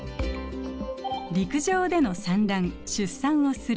「陸上での産卵・出産をする」。